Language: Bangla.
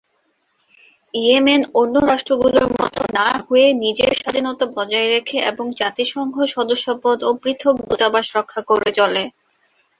ইয়েমেন অন্য রাষ্ট্রগুলোর মত না হয়ে নিজের স্বাধীনতা বজায় রাখে এবং জাতিসংঘ সদস্যপদ ও পৃথক দূতাবাস রক্ষা করে চলে।